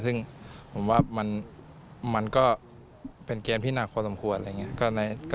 ซึ่งผมว่ามันก็เป็นเกมที่หนักพอสมควรอะไรอย่างนี้